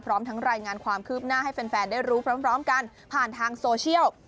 พร้อมทั้งรายงานความคืบหน้าให้แฟนได้รู้พร้อมกันผ่านทางโซเชียล